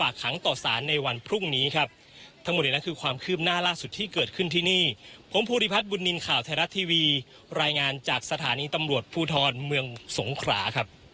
ขอบคุณคุณผู้ดิพักษ์ก็ถือว่า